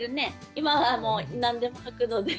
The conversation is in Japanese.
今はもう何でもはくので。